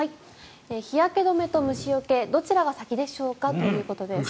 日焼け止めと虫よけどちらが先でしょうかということです。